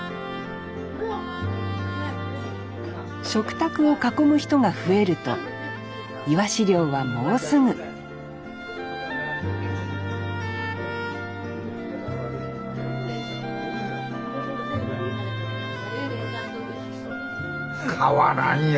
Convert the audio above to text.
食卓を囲む人が増えるとイワシ漁はもうすぐ変わらんよ。